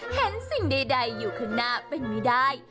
เห็นสิ่งใดอยู่ข้างหน้าเป็นไม่ได้